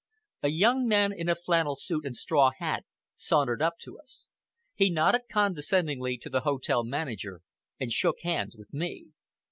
A young man in a flannel suit and straw hat sauntered up to us. He nodded condescendingly to the hotel manager, and shook hands with me.